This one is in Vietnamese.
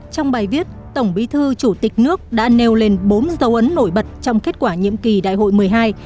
trong bài viết tổng bí thư chủ tịch nước đã nêu lên bốn dấu ấn nổi bật trong kết quả nhiệm kỳ đại hội một mươi hai